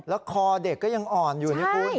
แล้วคอเด็กก็ยังอ่อนอยู่นี่คุณ